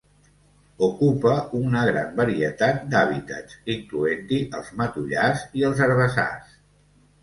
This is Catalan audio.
Ocupa una gran varietat d'hàbitats, incloent-hi els matollars i els herbassars.